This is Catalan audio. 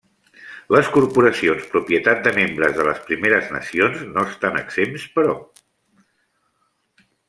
Les corporacions propietat de membres de les Primeres Nacions no estan exempts, però.